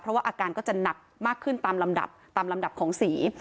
เพราะว่าอาการก็จะหนักมากขึ้นตามลำดับของสี